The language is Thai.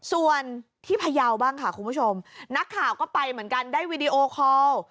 ส่วนที่พยาวบ้างค่ะคุณผู้ชมนักข่าวก็ไปเหมือนกันได้วีดีโอคอล